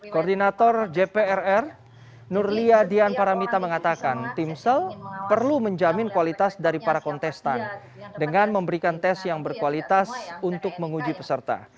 koordinator jprr nurlia dian paramita mengatakan timsel perlu menjamin kualitas dari para kontestan dengan memberikan tes yang berkualitas untuk menguji peserta